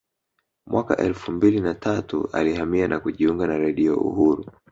Mwaka elfu mbili na tatu alihama na kujiunga na Redio Uhuru